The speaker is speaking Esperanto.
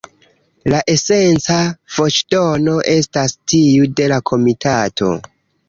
La esenca voĉdono estas tiu de la Komitato.